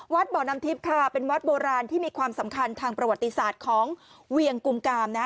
บ่อน้ำทิพย์ค่ะเป็นวัดโบราณที่มีความสำคัญทางประวัติศาสตร์ของเวียงกุมกามนะฮะ